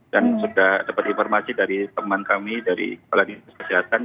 dan sudah dapat informasi dari teman kami dari kepala dinas kesehatan